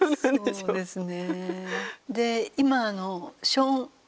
そうですね。